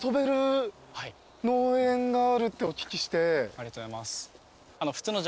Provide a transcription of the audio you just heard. ありがとうございます。